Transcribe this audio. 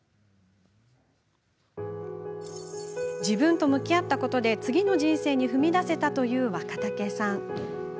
自分と向き合ったことで次の人生に踏み出せたという